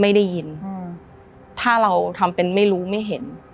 ไม่ได้ยินอืมถ้าเราทำเป็นไม่รู้ไม่เห็น